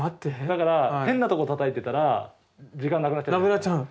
だから変なとこたたいてたら時間なくなっちゃう。